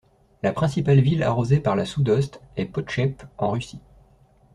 La principale ville arrosée par la Soudost est Potchep, en Russie.